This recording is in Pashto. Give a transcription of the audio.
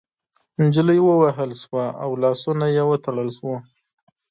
نجلۍ ووهل شوه او لاسونه يې وتړل شول.